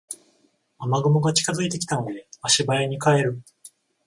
雨雲が近づいてきたので足早に帰る